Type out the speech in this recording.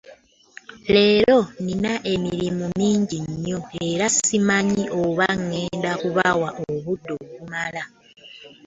Leero nnina eririmu mingi nnyo era ssimanyi oba ngenda kubawa obudde obumala.